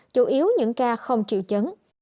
chủ yếu những ca không triệu chấn